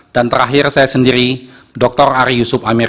dan terakhir saya sendiri dr ari yusuf amir